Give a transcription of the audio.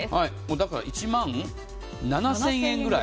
だから１万７０００円ぐらい。